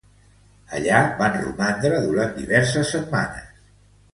Allà van romandre durant diverses setmanes.